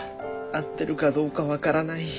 合ってるかどうか分からない。